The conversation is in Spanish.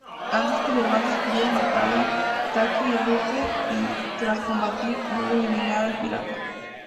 Antes que Cervantes pudiera matarla, Taki irrumpe y, tras combatir, logra eliminar al pirata.